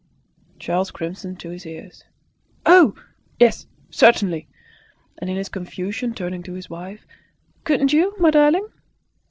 Charles crimsoned to his ears. "Oh, yes! certainly." And in his confusion, turning to his wife, "Couldn't you, my darling?"